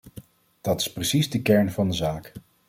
Dat is precies de kern van de zaak.